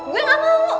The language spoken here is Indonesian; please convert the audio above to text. gue gak mau